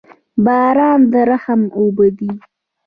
باران د رحمت اوبه دي.